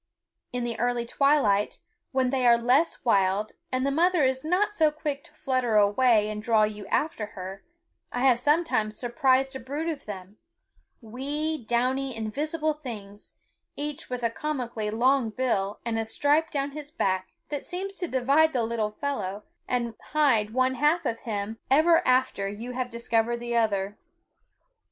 In the early twilight, when they are less wild and the mother is not so quick to flutter away and draw you after her, I have sometimes surprised a brood of them, wee, downy, invisible things, each with a comically long bill and a stripe down his back that seems to divide the little fellow and hide one half of him even after you have discovered the other.